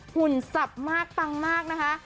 หุ่นสับมากปังมากนะคะ